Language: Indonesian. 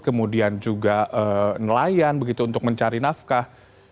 kemudian juga nelayan begitu untuk mencari nafkah